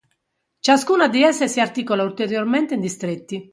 Ciascuna di esse si articola ulteriormente in distretti.